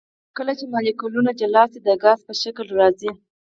کله چې مالیکولونه جلا شي د ګاز په شکل راځي.